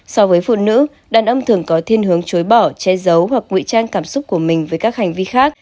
so với phụ nữ đàn ông thường có thiên hướng chối bỏ che giấu hoặc ngụy trang cảm xúc của mình với các hành vi khác